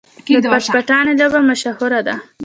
د پټ پټانې لوبه مشهوره ده.